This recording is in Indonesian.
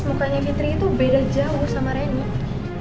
mukanya fitri itu beda jauh sama reni